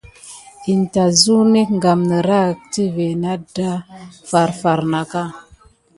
In tät suk nek gam niraki timé naku dezi farfar naka.